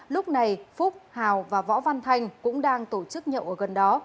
lúc này phúc hào và võ văn thanh cũng đang tổ chức nhậu ở gần đó